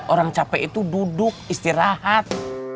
orang capek itu duduk istirahat